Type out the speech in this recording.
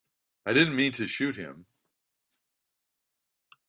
I didn't mean to shoot him.